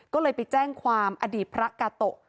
ก็เลยไปแจ้งความอดีตพระกาโตะ